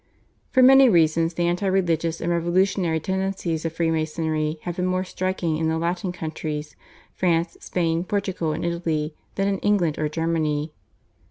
For many reasons the anti religious and revolutionary tendencies of Freemasonry have been more striking in the Latin countries, France, Spain, Portugal, and Italy, than in England or Germany.